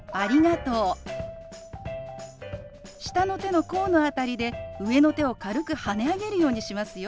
下の手の甲の辺りで上の手を軽くはね上げるようにしますよ。